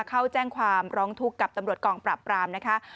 เข้าแจ้งความร้องทุกข์กับตำรวจกองปราบปรามนะคะ